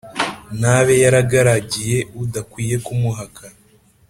ntabe yaragaragiye udakwiye kumuhaka!